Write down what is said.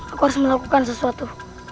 aku harus melakukan sesuatu